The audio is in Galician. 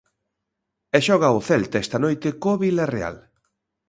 E xoga o Celta esta noite co Vilarreal.